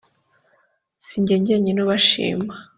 si jye jyenyine ubashima